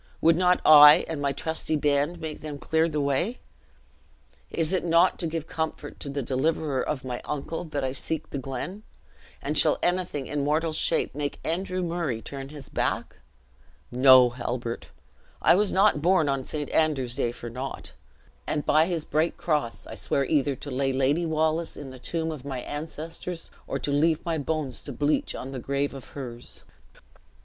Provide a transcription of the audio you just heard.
would not I and my trusty band make them clear the way? Is it not to give comfort to the deliverer of my uncle, that I seek the glen? and shall anything in mortal shape make Andrew Murray turn his back? No, Halbert! I was not born on St. Andrew's day for naught; and by his bright cross I swear either to lay Lady Wallace in the tomb of my ancestors, or leave my bones to bleach on the grave of hers."